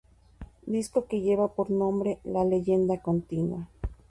Disco que lleva por nombre "La Leyenda Continúa".